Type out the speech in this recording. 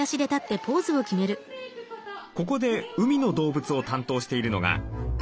ここで海の動物を担当しているのが。